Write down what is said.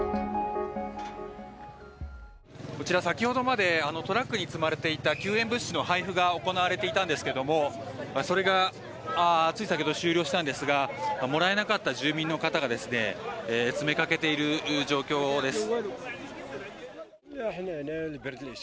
こちら、先ほどまであのトラックに積まれていた救援物資の配布が行われていたんですけれどそれがつい先ほど終了したんですがもらえなかった住民の方が詰めかけている状況です。